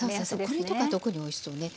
これとか特においしそうね。